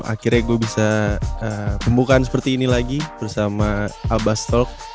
akhirnya gue bisa kembukan seperti ini lagi bersama abastalk